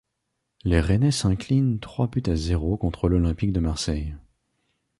Les Rennais s'inclinent trois buts à zéro contre l'Olympique de Marseille.